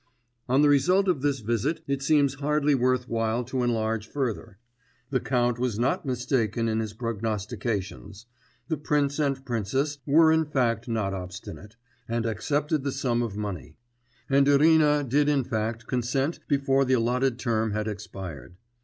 On the result of this visit it seems hardly worth while to enlarge further. The count was not mistaken in his prognostications: the prince and princess were in fact not obstinate, and accepted the sum of money; and Irina did in fact consent before the allotted term had expired.